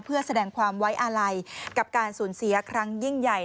เพื่อแสดงความไว้อาลัยกับการสูญเสียครั้งยิ่งใหญ่